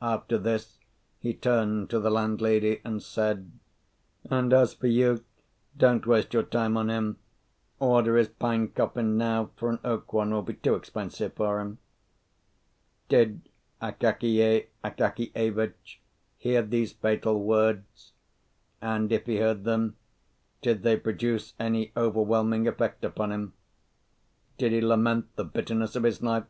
After this he turned to the landlady, and said, "And as for you, don't waste your time on him: order his pine coffin now, for an oak one will be too expensive for him." Did Akakiy Akakievitch hear these fatal words? and if he heard them, did they produce any overwhelming effect upon him? Did he lament the bitterness of his life?